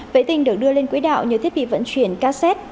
vệ tinh được đưa lên quỹ đạo như thiết bị vận chuyển casset